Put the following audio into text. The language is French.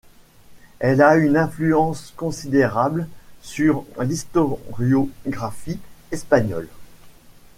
Elle a une influence considérable sur l'historiographie espagnole.